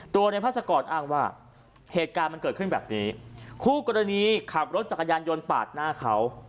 ตัวในภาษากรอ้างว่าเหตุการณ์มันเกิดขึ้นแบบนี้คู่กรณีขับรถจักรยานยนต์ปาดหน้าเขา